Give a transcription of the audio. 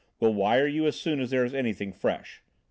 Will wire you as soon as there's anything fresh.